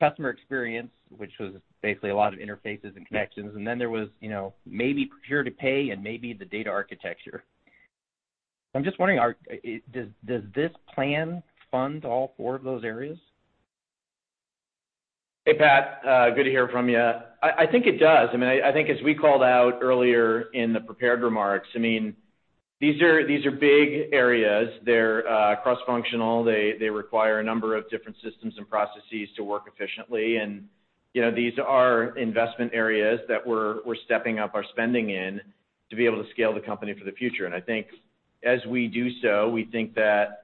customer experience, which was basically a lot of interfaces and connections. Then there was maybe procure to pay and maybe the data architecture. I'm just wondering, does this plan fund all four of those areas? Hey, Pat. Good to hear from you. I think it does. I think as we called out earlier in the prepared remarks, these are big areas. They're cross-functional. They require a number of different systems and processes to work efficiently. These are investment areas that we're stepping up our spending in to be able to scale the company for the future. I think as we do so, we think that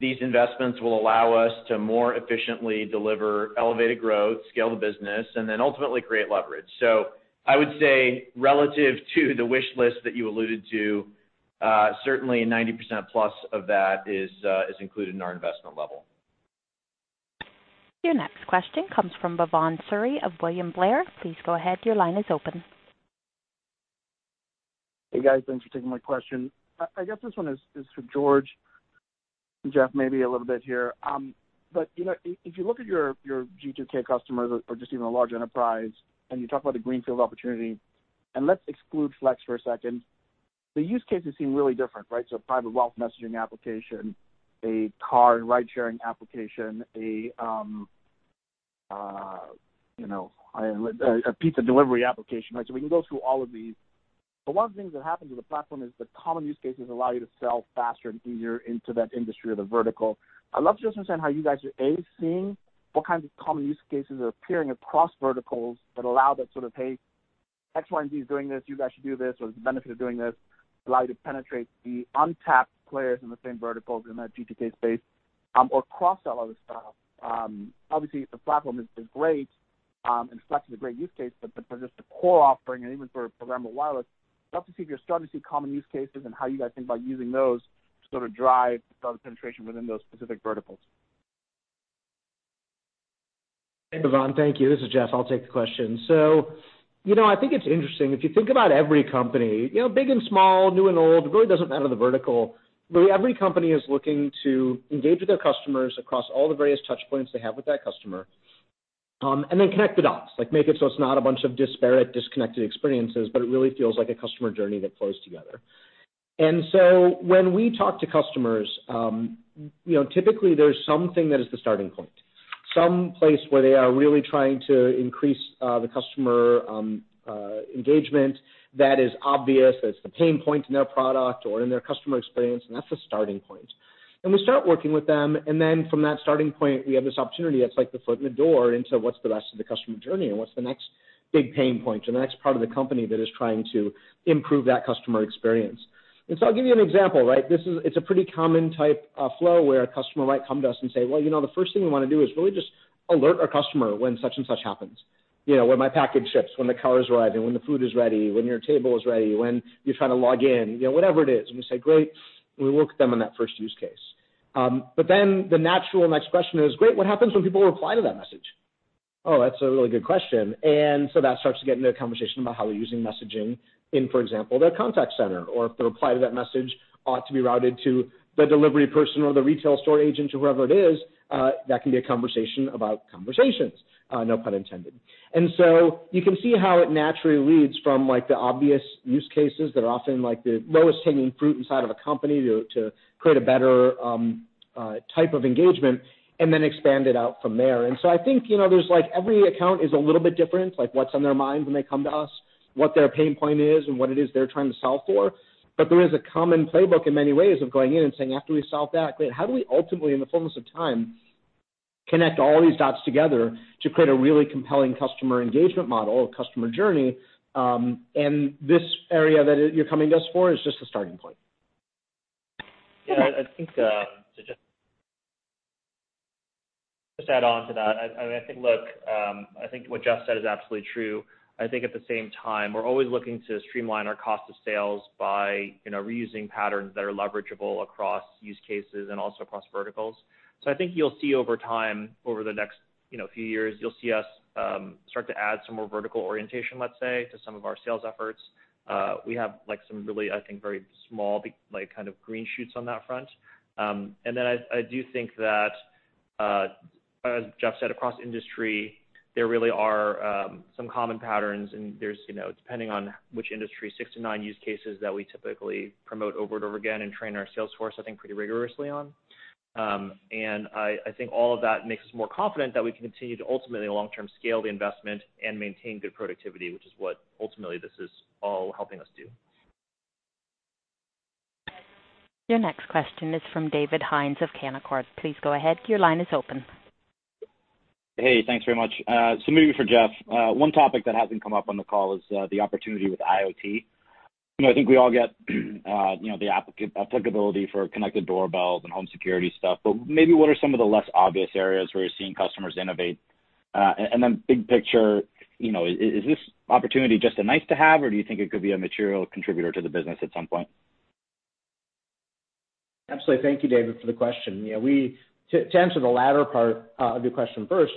these investments will allow us to more efficiently deliver elevated growth, scale the business, and then ultimately create leverage. I would say relative to the wish list that you alluded to, certainly 90%+ of that is included in our investment level. Your next question comes from Bhavan Suri of William Blair. Please go ahead. Your line is open. Hey, guys. Thanks for taking my question. I guess this one is for George, and Jeff maybe a little bit here. If you look at your G2K customers or just even a large enterprise, and you talk about the greenfield opportunity, and let's exclude Flex for a second, the use cases seem really different, right? Private wealth messaging application, a car and ride sharing application, a pizza delivery application, right? We can go through all of these, but one of the things that happened to the platform is the common use cases allow you to sell faster and easier into that industry or the vertical. I'd love to just understand how you guys are seeing what kinds of common use cases are appearing across verticals that allow that sort of, "Hey, X, Y, and Z is doing this. You guys should do this," or, "There's a benefit of doing this," allow you to penetrate the untapped players in the same verticals in that G2K space or cross-sell all this stuff. The platform is great, and Flex is a great use case, but for just the core offering and even for programmable wireless, love to see if you're starting to see common use cases and how you guys think about using those to drive further penetration within those specific verticals. Hey, Bhavan. Thank you. This is Jeff. I'll take the question. I think it's interesting. If you think about every company, big and small, new and old, it really doesn't matter the vertical, but every company is looking to engage with their customers across all the various touch points they have with that customer, and then connect the dots, make it so it's not a bunch of disparate, disconnected experiences, but it really feels like a customer journey that flows together. When we talk to customers, typically there's something that is the starting point, some place where they are really trying to increase the customer engagement that is obvious, that's the pain point in their product or in their customer experience, and that's the starting point. We start working with them, and then from that starting point, we have this opportunity that's like the foot in the door into what's the rest of the customer journey and what's the next big pain point or the next part of the company that is trying to improve that customer experience. I'll give you an example, right? It's a pretty common type of flow where a customer might come to us and say, "Well, the first thing we want to do is really just alert our customer when such and such happens. When my package ships, when the car is arriving, when the food is ready, when your table is ready, when you try to log in," whatever it is. We say, "Great." We work with them on that first use case. The natural next question is, "Great, what happens when people reply to that message?" Oh, that's a really good question. That starts to get into a conversation about how we're using messaging in, for example, their contact center, or if the reply to that message ought to be routed to the delivery person or the retail store agent or whoever it is, that can be a conversation about Conversations, no pun intended. You can see how it naturally leads from the obvious use cases that are often the lowest hanging fruit inside of a company to create a better type of engagement, and then expand it out from there. I think every account is a little bit different, like what's on their mind when they come to us, what their pain point is, and what it is they're trying to solve for. There is a common playbook in many ways of going in and saying, after we solve that, great, how do we ultimately, in the fullness of time, connect all these dots together to create a really compelling customer engagement model or customer journey? This area that you're coming to us for is just a starting point. Yeah, I think to just add on to that, I think what Jeff said is absolutely true. I think at the same time, we're always looking to streamline our cost of sales by reusing patterns that are leverageable across use cases and also across verticals. I think you'll see over time, over the next few years, you'll see us start to add some more vertical orientation, let's say, to some of our sales efforts. We have some really, I think, very small kind of green shoots on that front. I do think that as Jeff said, across industry, there really are some common patterns, and there's, depending on which industry, six to nine use cases that we typically promote over and over again and train our sales force, I think, pretty rigorously on. I think all of that makes us more confident that we can continue to ultimately long-term scale the investment and maintain good productivity, which is what ultimately this is all helping us do. Your next question is from David Hynes of Canaccord Genuity. Please go ahead. Your line is open. Hey, thanks very much. Maybe for Jeff, one topic that hasn't come up on the call is the opportunity with IoT. I think we all get the applicability for connected doorbells and home security stuff, maybe what are some of the less obvious areas where you're seeing customers innovate? Big picture, is this opportunity just a nice-to-have, or do you think it could be a material contributor to the business at some point? Absolutely. Thank you, David, for the question. To answer the latter part of your question first,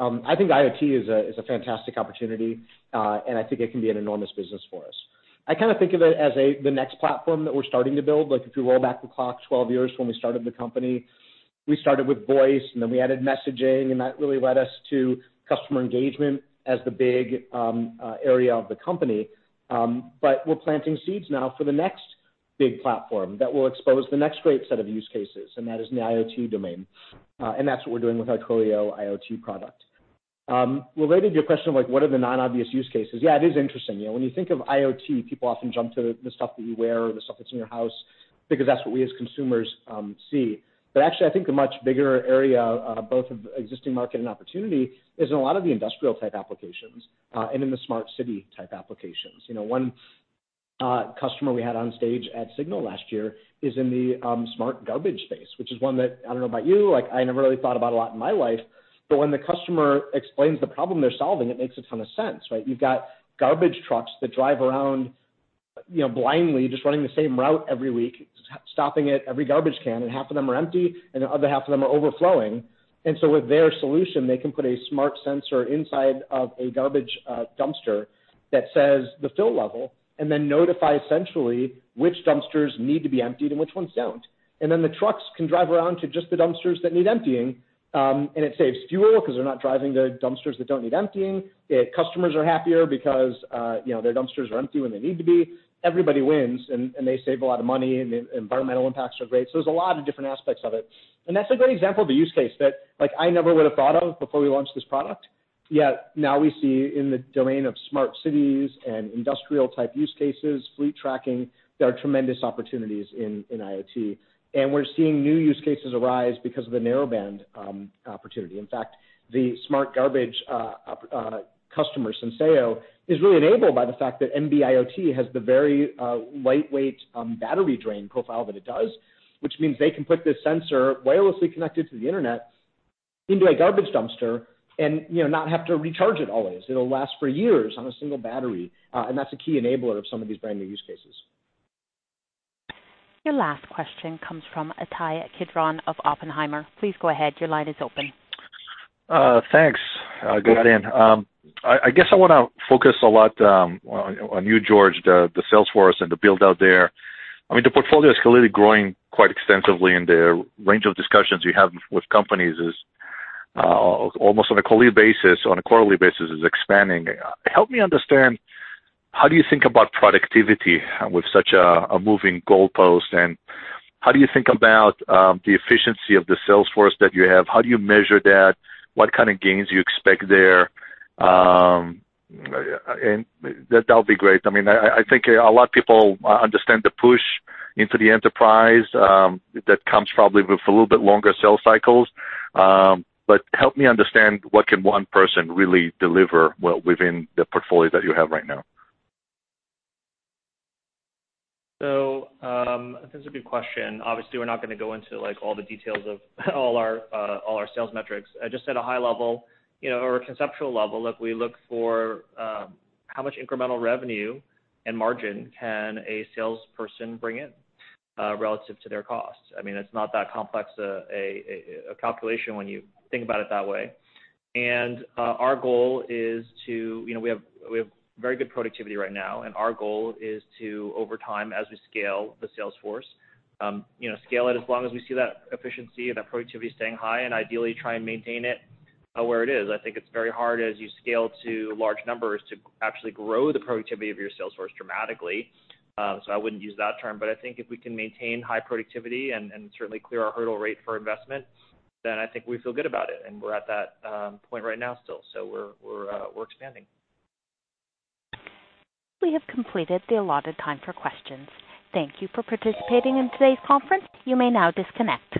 I think IoT is a fantastic opportunity, and I think it can be an enormous business for us. I kind of think of it as the next platform that we're starting to build. If you roll back the clock 12 years from when we started the company, we started with voice, then we added messaging, and that really led us to customer engagement as the big area of the company. We're planting seeds now for the next big platform that will expose the next great set of use cases, and that is in the IoT domain. That's what we're doing with our Twilio IoT product. Related to your question, what are the non-obvious use cases? Yeah, it is interesting. When you think of IoT, people often jump to the stuff that you wear or the stuff that's in your house because that's what we as consumers see. Actually, I think a much bigger area, both of existing market and opportunity, is in a lot of the industrial type applications and in the smart city type applications. One customer we had on stage at SIGNAL last year is in the smart garbage space, which is one that, I don't know about you, I never really thought about a lot in my life, but when the customer explains the problem they're solving, it makes a ton of sense, right? You've got garbage trucks that drive around blindly, just running the same route every week, stopping at every garbage can, and half of them are empty, and the other half of them are overflowing. With their solution, they can put a smart sensor inside of a garbage dumpster that says the fill level and then notify essentially which dumpsters need to be emptied and which ones don't. The trucks can drive around to just the dumpsters that need emptying, and it saves fuel because they're not driving to dumpsters that don't need emptying. The customers are happier because their dumpsters are empty when they need to be. Everybody wins, and they save a lot of money, and the environmental impacts are great. There's a lot of different aspects of it. That's a great example of a use case that I never would have thought of before we launched this product, yet now we see in the domain of smart cities and industrial type use cases, fleet tracking, there are tremendous opportunities in IoT. We're seeing new use cases arise because of the narrowband opportunity. In fact, the smart garbage customer, Sensoneo, is really enabled by the fact that NB-IoT has the very lightweight battery drain profile that it does, which means they can put this sensor wirelessly connected to the internet into a garbage dumpster and not have to recharge it always. It'll last for years on a single battery. That's a key enabler of some of these brand-new use cases. Your last question comes from Ittai Kidron of Oppenheimer. Please go ahead. Your line is open. Thanks. Good day. I guess I want to focus a lot on you, George, the sales force and the build out there. The portfolio is clearly growing quite extensively, and the range of discussions you have with companies is almost on a quarterly basis is expanding. Help me understand, how do you think about productivity with such a moving goalpost, and how do you think about the efficiency of the sales force that you have? How do you measure that? What kind of gains do you expect there? That would be great. I think a lot of people understand the push into the enterprise that comes probably with a little bit longer sales cycles. Help me understand what can one person really deliver within the portfolio that you have right now. I think that's a good question. Obviously, we're not going to go into all the details of all our sales metrics. Just at a high level, or a conceptual level, we look for how much incremental revenue and margin can a salesperson bring in relative to their costs. It's not that complex a calculation when you think about it that way. We have very good productivity right now, and our goal is to, over time, as we scale the sales force, scale it as long as we see that efficiency and that productivity staying high and ideally try and maintain it where it is. I think it's very hard as you scale to large numbers to actually grow the productivity of your sales force dramatically. I wouldn't use that term, but I think if we can maintain high productivity and certainly clear our hurdle rate for investment, then I think we feel good about it, and we're at that point right now still. We're expanding. We have completed the allotted time for questions. Thank you for participating in today's conference. You may now disconnect.